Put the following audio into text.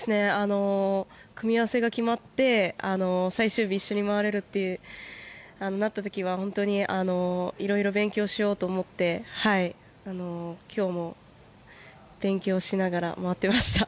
組み合わせが決まって最終日一緒に回れるとなった時は本当に色々勉強しようと思って今日も勉強しながら回ってました。